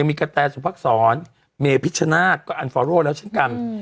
แม้พิชชนะก็อันโฟร์โหลแล้วเช่นกัน